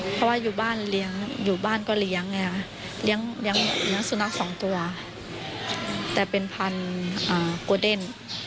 เพราะว่าอยู่บ้านก็เลี้ยงเลี้ยงสุนัข๒ตัวแต่เป็นพันธุ์ก๊อเดน